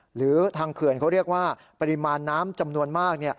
หรือทางเขื่อนเขาเรียกว่าปริมาณน้ำจำนวนมาก